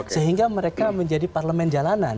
sehingga mereka menjadi parlemen jalanan